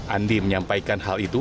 andi menyampaikan hal itu